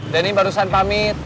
denny barusan pamit